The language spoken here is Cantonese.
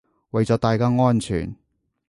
為咗大家安全